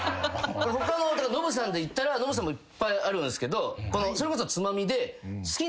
ノブさんでいったらノブさんもいっぱいあるんすけどそれこそ『ツマミ』で。